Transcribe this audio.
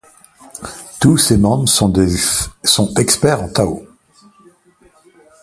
Tous ses membres sont experts en Tao.